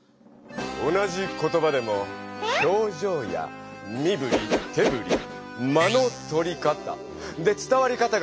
同じ言葉でも表情やみぶりてぶり「間」のとり方で伝わり方がかわってしまう。